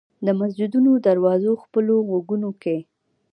د مسجدونو دروازو خپلو غوږونو کې